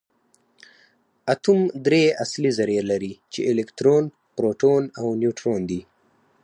اتوم درې اصلي ذرې لري چې الکترون پروټون او نیوټرون دي